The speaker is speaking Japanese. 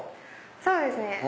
そうですね。